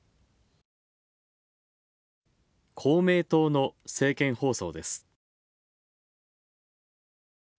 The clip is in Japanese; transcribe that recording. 公明党の政見放送です。